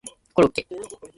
コロッケ